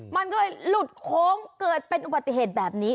มันก็เลยหลุดโค้งเกิดเป็นอุบัติเหตุแบบนี้